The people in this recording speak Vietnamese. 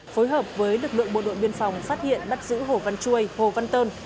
phối hợp với lực lượng bộ đội biên phòng phát hiện bắt giữ hồ văn chuôi hồ văn tơn